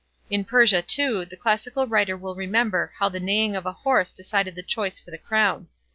In Persia, too, the classical reader will remember how the neighing of a horse decided the choice for the crown.